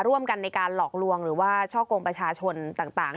ร่วมกันในการหลอกลวงหรือว่าช่อกงประชาชนต่าง